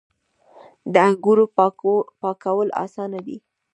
د انګورو پاکول اسانه دي.